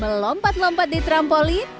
melompat lompat di trampolin